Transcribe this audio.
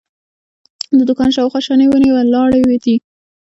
د دوکانونو شاوخوا شنې ونې ولاړې دي.